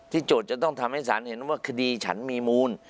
โจทย์จะต้องทำให้สารเห็นว่าคดีฉันมีมูล